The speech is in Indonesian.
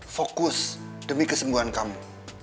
fokus demi kesembuhan kamu